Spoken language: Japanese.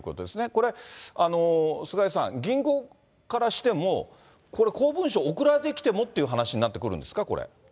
これ、菅井さん、銀行からしても、これ、公文書送られてきてもっていう話になってくるんですか、これ。